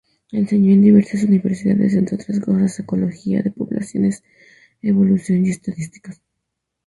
Enseñó en diversas Universidades, entre otras cosas, ecología de poblaciones, evolución y estadísticas.